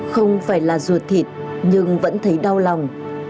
không phải là ruột thịt nhưng vẫn thấy đau lòng